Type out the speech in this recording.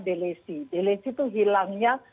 delisi delisi itu hilangnya